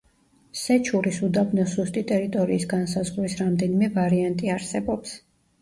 სეჩურის უდაბნოს ზუსტი ტერიტორიის განსაზღვრის რამდენიმე ვარიანტი არსებობს.